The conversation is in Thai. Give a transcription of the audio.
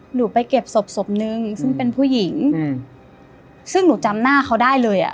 หนูไปเก็บศพศพนึงซึ่งเป็นผู้หญิงอืมซึ่งหนูจำหน้าเขาได้เลยอ่ะ